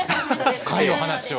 深いお話を。